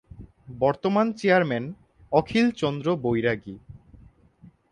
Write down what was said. বর্তমান চেয়ারম্যান- অখিল চন্দ্র বৈরাগী